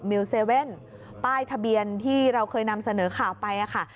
มิลเซเวนป้ายทะเบียนที่เราเคยนำเสนอข่าวไปอ่ะค่ะ